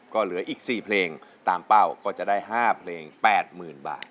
ก็เหลืออีก๔เพลงตามเป้าก็จะได้๕เพลง๘๐๐๐บาท